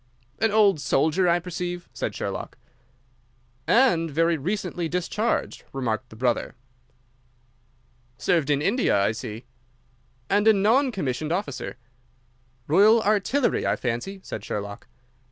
"An old soldier, I perceive," said Sherlock. "And very recently discharged," remarked the brother. "Served in India, I see." "And a non commissioned officer." "Royal Artillery, I fancy," said Sherlock.